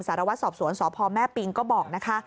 สารวัตรสอบสวนสพแม่ปิงก็บอกนะคะ